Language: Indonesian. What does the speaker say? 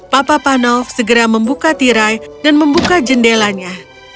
papa panov segera membuka tirai dan membuka jendelanya